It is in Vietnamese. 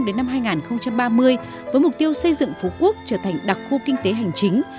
đến năm hai nghìn ba mươi với mục tiêu xây dựng phú quốc trở thành đặc khu kinh tế hành chính